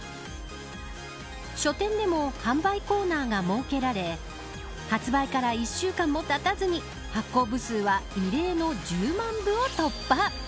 書店でも販売コーナーが設けられ発売から１週間もたたずに発行部数は異例の１０万部を突破。